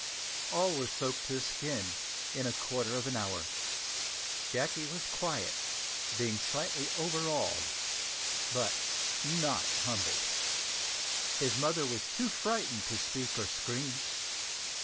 All were soaked to the skin in a quarter of an hour. Jacky was quiet being slightly overawed, but not humbled! His mother was too frightened to speak or scream.